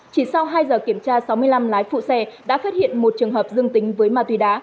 chỉ sau hai giờ kiểm tra sáu mươi năm lái phụ xe đã phát hiện một trường hợp dương tính với ma túy đá